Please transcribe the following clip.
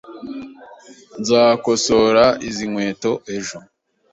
Nzakosora izi nkweto ejo